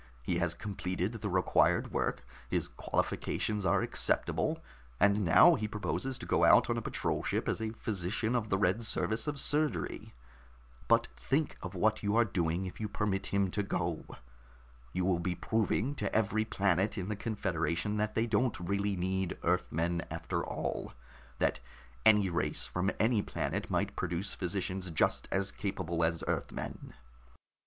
He has completed the required work, his qualifications are acceptable, and now he proposes to go out on a patrol ship as a physician of the Red Service of Surgery. But think of what you are doing if you permit him to go! You will be proving to every planet in the confederation that they don't really need Earthmen after all, that any race from any planet might produce physicians just as capable as Earthmen."